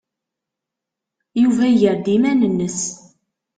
Yuba iger-d iman-nnes.